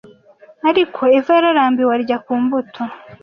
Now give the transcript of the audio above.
ariko eva yararambiwe arya ku mbuto